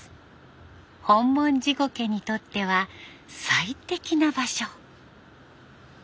ホンモンジゴケにとっては最適な場所。